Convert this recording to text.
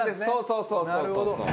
そうそうそう。